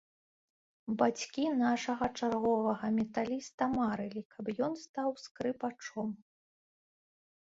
Бацькі нашага чарговага металіста марылі, каб ён стаў скрыпачом.